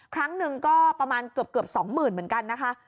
ครั้งหนึ่งก็ประมาณเกือบ๒๐๐๐เหมือนกันนะคะ